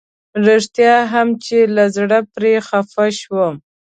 رښتيا هم چې له زړه پرې خفه شوم.